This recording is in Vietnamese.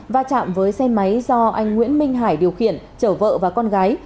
va chạm với xe máy do anh nguyễn minh hải điều khiển chở vợ và con gái